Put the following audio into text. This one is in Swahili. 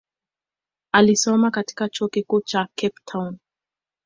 Alisoma katika chuo kikuu cha Cape Town.